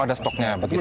oh ada stoknya begitu